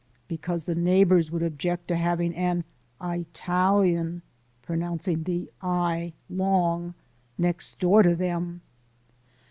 "Because the neighbors would object to having an Italian (pronouncing the "I" long) next door to them."